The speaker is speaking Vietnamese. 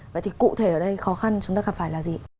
vậy thì cụ thể ở đây khó khăn chúng ta gặp phải là gì